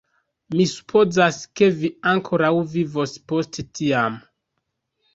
Mi supozas, ke vi ankoraŭ vivos post tiam.